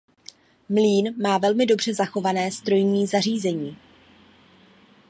Mlýn má velmi dobře zachované strojní zařízení.